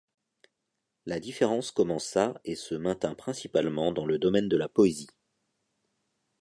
La Différence commença et se maintint principalement dans le domaine de la poésie.